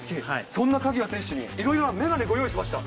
そんな鍵谷選手に、いろいろなメガネ、ご用意しました。